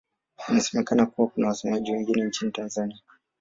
Inasemekana kuna wasemaji wengine nchini Tanzania.